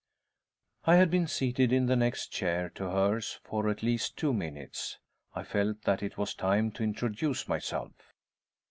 I had been seated in the next chair to hers for at least two minutes. I felt that it was time to introduce myself.